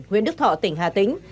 huyện đức thọ tỉnh hà tĩnh